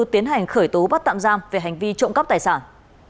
tiến hành khởi tố bắt tạm giam về hành vi trộm cắp tài sản